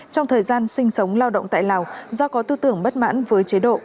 trong thời gian sinh sống lao động tại lào do có tư tưởng bất mãn với chế độ